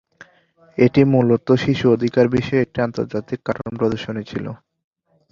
এটি মুলত শিশু অধিকার বিষয়ে একটি আন্তর্জাতিক কার্টুন প্রদর্শনী ছিলো।